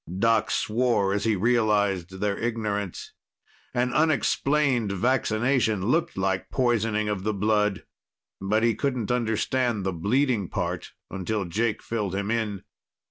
Doc swore as he realized their ignorance. An unexplained vaccination looked like poisoning of the blood. But he couldn't understand the bleeding part until Jake filled him in.